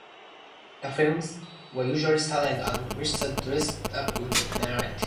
The films were usually silent and Mr. Dressup would narrate.